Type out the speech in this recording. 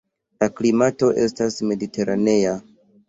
La klimato estas mediteranea.